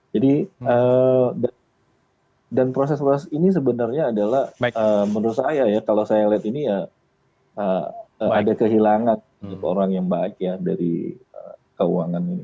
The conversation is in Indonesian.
jadi dan proses proses ini sebenarnya adalah menurut saya ya kalau saya lihat ini ya ada kehilangan orang yang baik ya dari keuangan ini